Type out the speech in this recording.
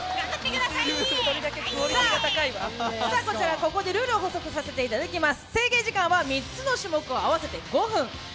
ここでルールを補足させていただきます